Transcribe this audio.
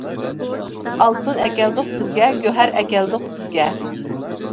ئالتۇن ئەكەلدۇق سىزگە، گۆھەر ئەكەلدۇق سىزگە.